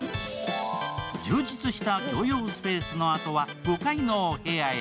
充実した共用スペースのあとは５階のお部屋へ。